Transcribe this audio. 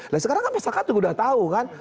nah sekarang kan masyarakat juga udah tau kan